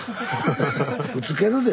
ぶつけるで。